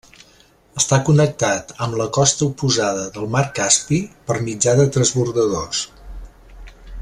Està connectat amb la costa oposada del mar Caspi per mitjà de transbordadors.